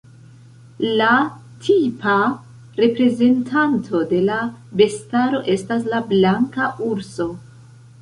La tipa reprezentanto de la bestaro estas la blanka urso.